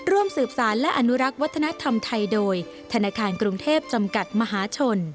ร่วมสืบสารและอนุรักษ์วัฒนธรรมไทยโดยธนาคารกรุงเทพจำกัดมหาชน